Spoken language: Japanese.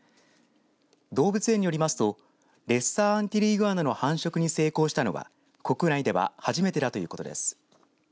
動物園によりますとレッサーアンティルイグアナの繁殖に成功したのは国内では初めてだということです。